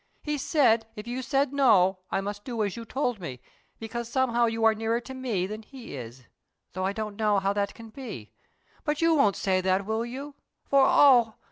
"He said if you said no I must do as you told me, because somehow you are nearer to me than he is, though I don't know how that can be; but you won't say that, will you? for, oh!